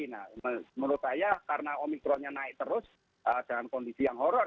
nah menurut saya karena omikronnya naik terus dalam kondisi yang horror